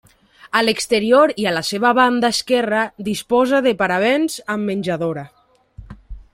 A l'exterior i a la seva banda esquerra disposa de paravents amb menjadora.